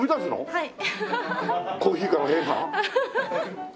はい。